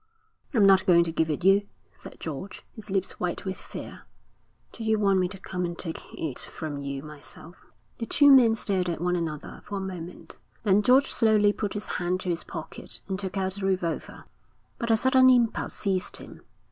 'I'm not going to give it you,' said George, his lips white with fear. 'Do you want me to come and take if from you myself?' The two men stared at one another for a moment. Then George slowly put his hand to his pocket and took out the revolver. But a sudden impulse seized him.